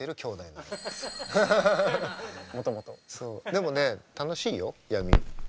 でもね楽しいよ闇。